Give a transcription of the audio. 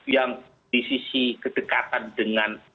yang di sisi kedekatan dengan